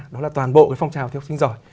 đó là toàn bộ cái phong trào cho học sinh giỏi